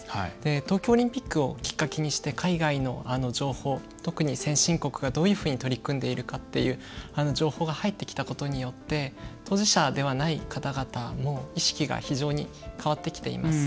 東京オリンピックをきっかけにして海外の情報特に先進国がどういうふうに取り組んでいるか情報が入ってきたことによって当事者ではない方々の意識が非常に変わってきています。